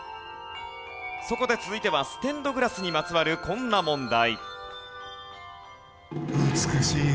そこで続いてはステンドグラスにまつわるこんな問題。